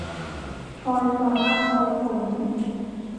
พลอยฟ้าพลอยฝน